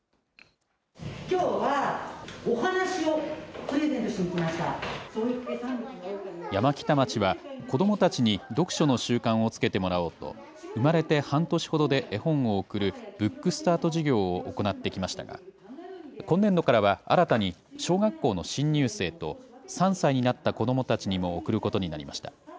きょうは、山北町は、子どもたちに読書の習慣をつけてもらおうと、生まれて半年ほどで絵本を贈るブックスタート事業を行ってきましたが、今年度からは新たに小学校の新入生と、３歳になった子どもたちにも贈ることになりました。